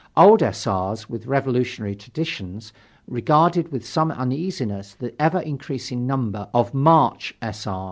Old S. R.'s, with revolutionary traditions, regarded with some uneasiness the ever increasing number of "March S. R.'